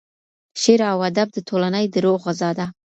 شعر او ادب د ټولني د روح غذا ده.